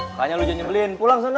makanya lo jenyebelin pulang sana